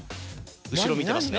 後ろ見てますね。